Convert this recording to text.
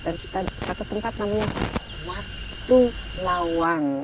dan kita di satu tempat namanya watu lawang